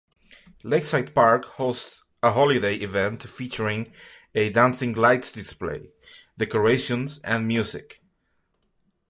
Lakeside Park hosts a holiday event featuring a "dancing lights" display, decorations and music.